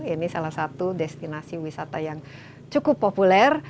ini salah satu destinasi wisata yang cukup populer